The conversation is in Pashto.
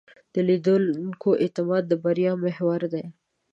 د لیدونکو اعتماد د بریا محور دی.